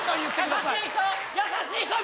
優しい人。